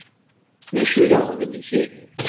D acu d aɣbel-ik ihi?